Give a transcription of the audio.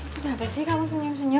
kenapa sih kalau senyum senyum